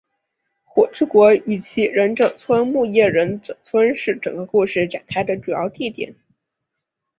火之国与其忍者村木叶忍者村是整个故事展开的主要地点。